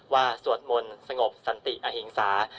ว่าสวดมนตร์สงบสันติอหิงสา